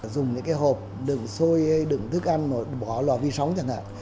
dùng những cái hộp đựng xôi đựng thức ăn bỏ lò vi sóng chẳng hạn